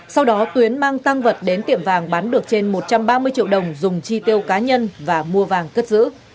sau đó tuyến mang tăng vật đến tiệm vàng bán được trên một trăm ba mươi triệu đồng dùng chi tiêu cá nhân và mua vàng cất giữ